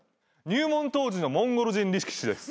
入門当時のモンゴル人リシキです。